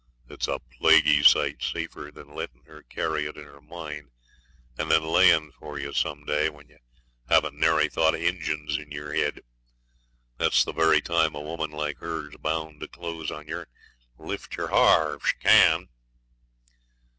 It's a plaguey sight safer than letting her carry it in her mind, and then laying for yer some day when ye heven't nary thought of Injuns in your head. That's the very time a woman like her's bound to close on yer and lift yer ha'r if she can.'